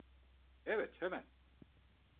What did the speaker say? Evet, hemen.